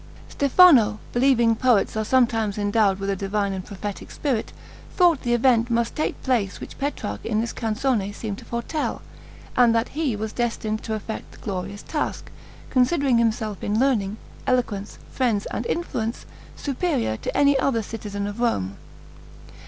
Stefano, believing poets are sometimes endowed with a divine and prophetic spirit, thought the event must take place which Petrarch in this canzone seemed to foretell, and that he was destined to effect the glorious task; considering himself in learning, eloquence, friends, and influence, superior to any other citizen of Rome.